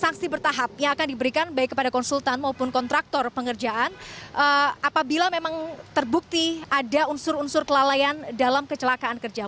sanksi bertahap yang akan diberikan baik kepada konsultan maupun kontraktor pengerjaan apabila memang terbukti ada unsur unsur kelalaian dalam kecelakaan kerja